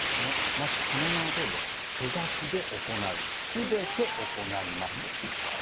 まさにその名のとおり手描きで行う全て行います。